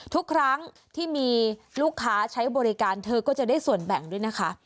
ทุกครั้งที่มีลูกค้าใช้บริการเธอก็จะได้ส่วนแบ่งด้วยนะคะ